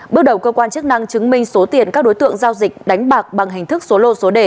bước đầu cơ quan chức năng chứng minh số tiền các đối tượng giao dịch đánh bạc bằng hình thức số lô số đề